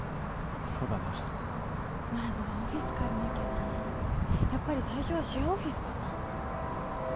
そうだなまずはオフィス借りなきゃなやっぱり最初はシェアオフィスかな